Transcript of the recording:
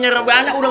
masuk masuk masuk